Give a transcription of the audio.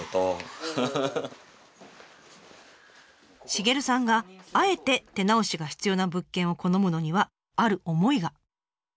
シゲルさんがあえて手直しが必要な物件を好むのにはある思いが。